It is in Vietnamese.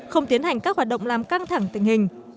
không tiến hành các hoạt động làm căng thẳng tình hình